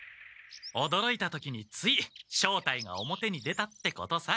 おどろいた時につい正体が表に出たってことさ。